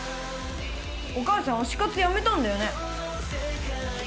お母さん推し活やめたんだよね？